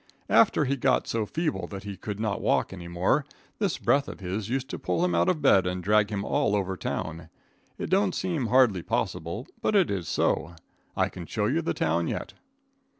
After he got so feeble that he could not walk any more, this breath of his used to pull him out of bed and drag him all over town. It don't seem hardly possible, but it is so. I can show you the town yet.